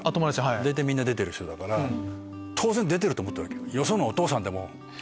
大体みんな出てる人だから当然出てると思ってる。